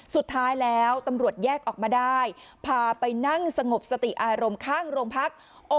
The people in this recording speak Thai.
สุดท้ายแล้วตำรวจแยกออกมาได้พาไปนั่งสงบสติอารมณ์ข้างโรงพัก